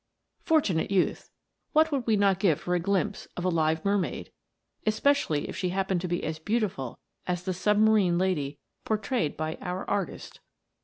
FORTUNATE youth! What would we not give for a glimpse of a live mermaid, especially if she hap pened to be as beautiful as the submarine lady portrayed by our artist